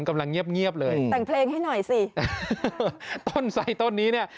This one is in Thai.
กำลังเงียบเงียบเลยแต่งเพลงให้หน่อยสิต้นไส้ต้นนี้เนี่ย